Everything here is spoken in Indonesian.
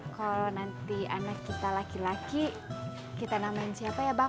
kalau nanti anak kita laki laki kita namain siapa ya bang